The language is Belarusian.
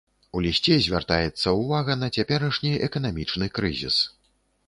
У лісце звяртаецца ўвага на цяперашні эканамічны крызіс.